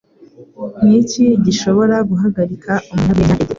Niki Gishobora Guhagarika Umunyarwenya Eddie